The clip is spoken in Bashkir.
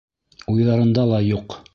— Уйҙарында ла юҡ.